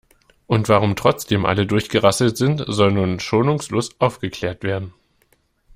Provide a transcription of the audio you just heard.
Und warum trotzdem alle durchgerasselt sind, soll nun schonungslos aufgeklärt werden.